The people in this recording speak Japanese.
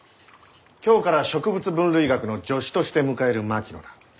今日から植物分類学の助手として迎える槙野だ。